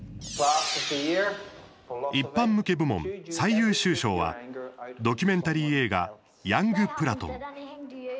一般向け部門、最優秀賞はドキュメンタリー映画「ヤングプラトン」。